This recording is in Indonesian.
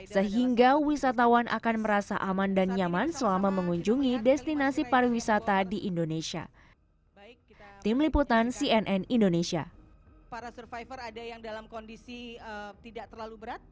sehingga wisatawan akan merasa aman dan nyaman selama mengunjungi destinasi pariwisata di indonesia